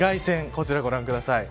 こちらご覧ください。